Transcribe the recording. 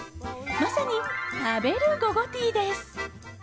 まさに食べる午後ティーです。